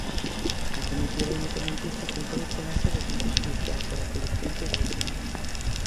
A comitiva independentista tentou achegarse ao recinto xudicial, pero a policía impediullo.